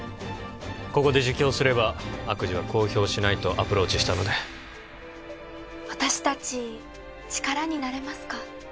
ここで自供すれば悪事は公表しないとアプローチしたので私達力になれますか？